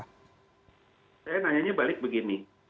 saya nanyanya balik begini